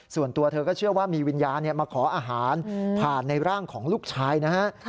ส่วนตัวเธอก็เชื่อว่ามีวิญญาณมาขออาหารผ่านในร่างของลูกชายนะฮะ